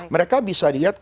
mereka bisa dilihat